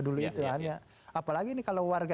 dulu itu kan ya apalagi ini kalau warga